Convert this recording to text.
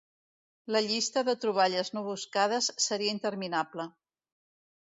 La llista de troballes no buscades seria interminable.